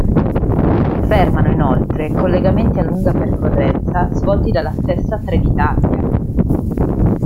Fermano inoltre collegamenti a lunga percorrenza svolti dalla stessa Trenitalia.